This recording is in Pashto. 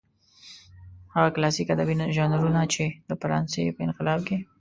هغه کلاسلیک ادبي ژانرونه چې د فرانسې په انقلاب کې.